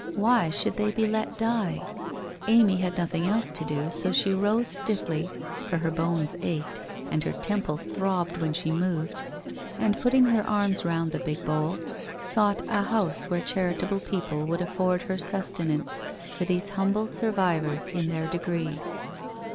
Why should they be let die? Amy had nothing else to do, so she rose stiffly, for her bones ached, and her temples throbbed when she moved, and putting her arms round the big bowl, sought a house where charitable people would afford her sustenance for these humble survivors in their degree.